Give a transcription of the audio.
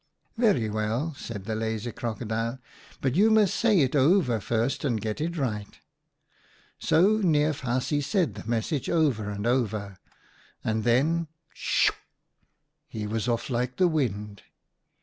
"* Very well,' said the lazy Crocodile, ' but you must say it over first and get it right.' " So Neef Haasje said the message over and over, and then — sh h h h h — he was off like the wind.